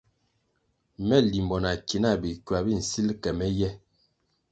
Me limbo na ki náh bikywa bi nsil ke me ye.